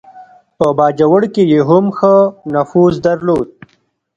په باجوړ کې یې هم ښه نفوذ درلود.